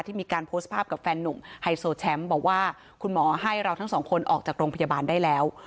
มีการโพสต์ภาพกับแฟนหนุ่มไฮโซแชมป์บอกว่าคุณหมอให้เราทั้งสองคนออกจากโรงพยาบาลได้แล้ว